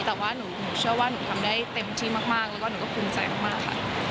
แต่ว่าหนูเชื่อว่าหนูทำได้เต็มที่มากแล้วก็หนูก็ภูมิใจมากค่ะ